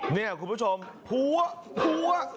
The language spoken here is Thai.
นี่คุณผู้ชมหัว